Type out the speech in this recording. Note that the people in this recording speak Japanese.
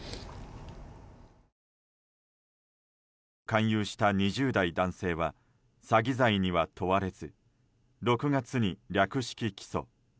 勧誘した２０代男性は詐欺罪には問われず６月に略式起訴。